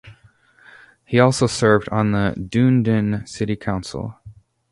He also served on the Dunedin City Council.